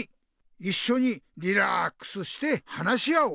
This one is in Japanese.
いっしょにリラックスして話し合おう。